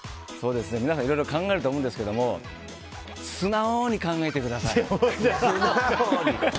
皆さんいろいろ考えると思うんですけど素直にか。